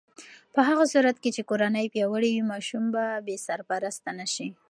په هغه صورت کې چې کورنۍ پیاوړې وي، ماشوم به بې سرپرسته نه شي.